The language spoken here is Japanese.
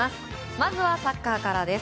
まずはサッカーからです。